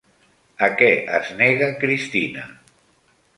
A què es nega Cristina?